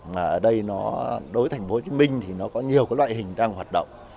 mà ở đây nó đối với thành phố hồ chí minh thì nó có nhiều cái loại hình đang hoạt động